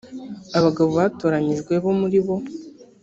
abagabo batoranyijwe bo muri bo